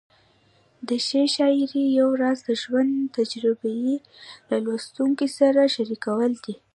د ښې شاعرۍ یو راز د ژوند تجربې له لوستونکي سره شریکول دي.